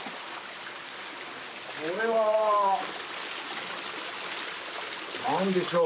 これは何でしょう。